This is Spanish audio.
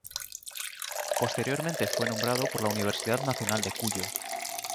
Posteriormente fue nombrado por la Universidad Nacional de Cuyo.